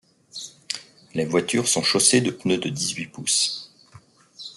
Les voitures sont chaussées de pneus de dix-huit pouces.